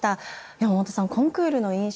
山本さんコンクールの印象